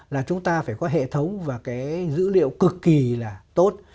là chúng ta phải có hệ thống và cái dữ liệu cực kỳ là tốt